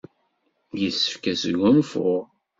Yessefk ad sgunfuɣ.